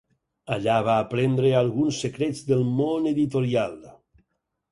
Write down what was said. Allà va aprendre alguns secrets del món editorial.